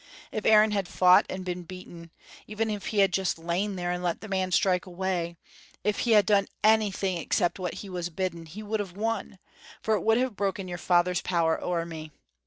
If Aaron had fought and been beaten, even if he had just lain there and let the man strike away, if he had done anything except what he was bidden, he would have won, for it would have broken your father's power ower me.